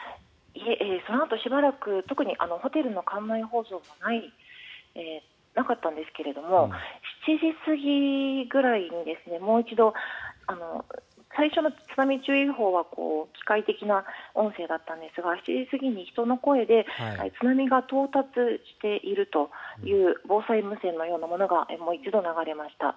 そのあとしばらく特にホテルの館内放送はなかったんですが７時過ぎぐらいにもう一度最初の津波注意報は機械的な音声だったんですが７時過ぎに人の声で津波が到達しているという防災無線のようなものがもう一度流れました。